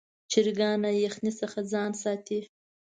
چرګان له یخنۍ څخه ځان ساتي.